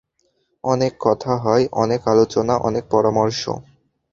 অনেক কথা হয়, অনেক আলোচনা, অনেক পরামর্শ।